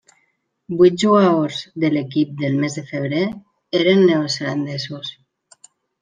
Vuit jugadors de l'equip del mes de febrer eren neozelandesos.